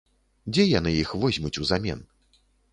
Дзе яны іх возьмуць узамен?